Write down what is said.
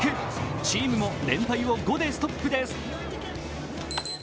チームも連敗を５でストップです。